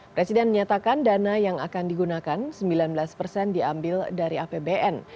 presiden menyatakan dana yang akan digunakan sembilan belas persen diambil dari apbn